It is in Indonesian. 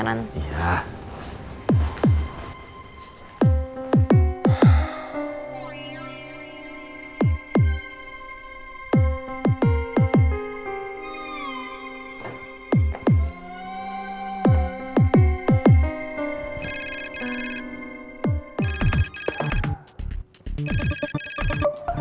sampai jumpa lagi